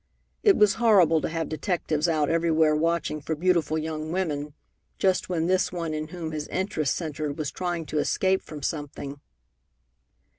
It was horrible to have detectives out everywhere watching for beautiful young women, just when this one in whom his interest centred was trying to escape from something.